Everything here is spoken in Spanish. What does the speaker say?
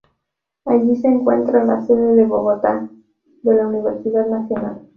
Allí se encuentra la sede de Bogotá de la Universidad Nacional.